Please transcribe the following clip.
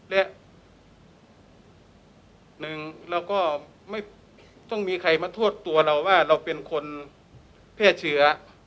และหนึ่งเราก็ไม่ต้องมีใครมาโทษตัวเราว่าเราเป็นคนแพร่เชื้อ